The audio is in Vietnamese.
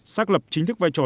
xác lập chính thức vai trò